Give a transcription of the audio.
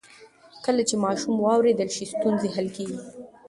کله چې ماشوم واورېدل شي، ستونزې حل کېږي.